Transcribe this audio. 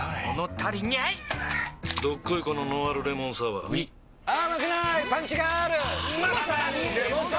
どっこいこのノンアルレモンサワーうぃまさに！